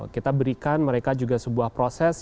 kita berikan mereka juga sebuah proses